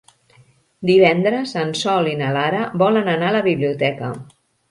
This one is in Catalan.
Divendres en Sol i na Lara volen anar a la biblioteca.